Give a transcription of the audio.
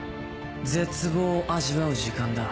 絶望を味わう時間だ。